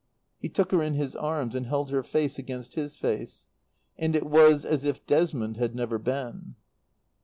He took her in his arms and held her face against his face. And it was as if Desmond had never been.